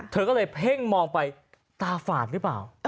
เธอก็เลยเพ่งมองไปตาฝาดหรือเปล่า